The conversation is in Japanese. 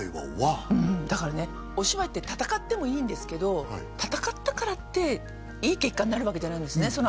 うんだからねお芝居って戦ってもいいんですけど戦ったからっていい結果になるわけじゃないんですね